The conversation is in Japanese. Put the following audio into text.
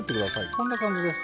こんな感じです。